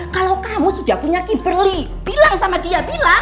kalau kamu sudah punya keyberly bilang sama dia bilang